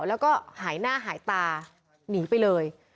แล้วก็หายหน้าหายตาหนีไปเลย